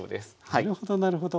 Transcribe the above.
なるほどなるほど。